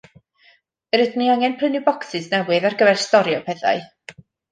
Rydyn ni angen prynu bocsys newydd ar gyfer storio pethau.